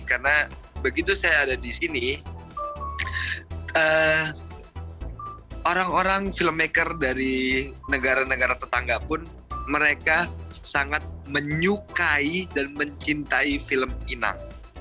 karena begitu saya ada di sini orang orang filmmaker dari negara negara tetangga pun mereka sangat menyukai dan mencintai film inang